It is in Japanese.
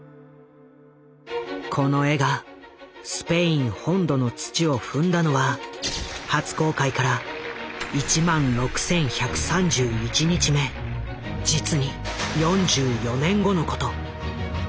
この絵がスペイン本土の土を踏んだのは初公開から１６，１３１日目実に４４年後のこと。